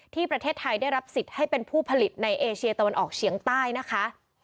ที่ประเทศไทยได้รับสิทธิ์ให้เป็นผู้ผลิตในเอเชียตะวันออกเฉียงใต้นะคะ